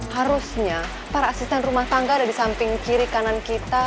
harusnya para asisten rumah tangga ada di samping kiri kanan kita